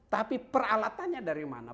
tapi peralatannya dari mana